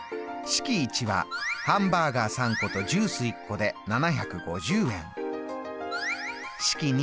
式２はハンバーガー１個とジュース１個で３５０円。